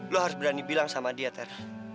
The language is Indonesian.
lo harus berani bilang sama dia ter